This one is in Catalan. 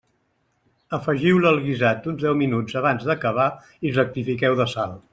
Afegiu-la al guisat uns deu minuts abans d'acabar i rectifiqueu de sal.